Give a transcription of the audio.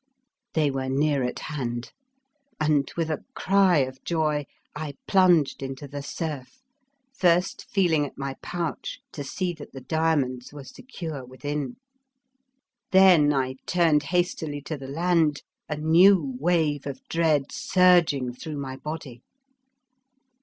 They were near at hand, and, with a cry of joy, I plunged into the surf, first feeling at my pouch to see that the diamonds were secure within; then I turned hastily to the 123 The Fearsome Island land, a new wave of dread surging through my body.